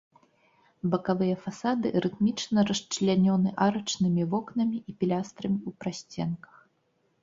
Бакавыя фасады рытмічна расчлянёны арачнымі вокнамі і пілястрамі ў прасценках.